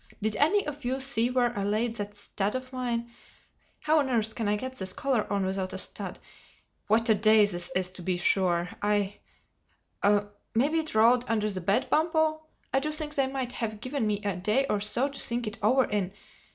—Did any of you see where I laid that stud of mine?—How on earth can I get this collar on without a stud? What a day this is, to be sure!—Maybe it rolled under the bed, Bumpo—I do think they might have given me a day or so to think it over in.